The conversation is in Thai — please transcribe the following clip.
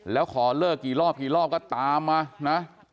แล้วขอเลิกกี่รอบกี่รอบก็ตามมานะ